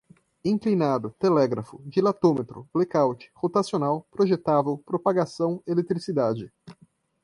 inclinado, telégrafo, dilatômetro, blecaute, rotacional, projetável, propagação, eletricidade